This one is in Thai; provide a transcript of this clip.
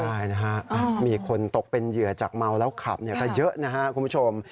ใช่นะฮะมีคนตกเป็นเหยื่อจากเมาแล้วขับก็เยอะนะครับคุณผู้ชม